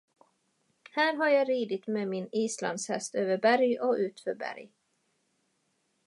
Här har jag ridit med min Islandshäst över berg och utför berg.